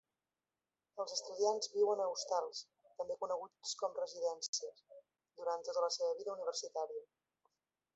Els estudiants viuen a hostals, també coneguts com residències, durant tota la seva vida universitària.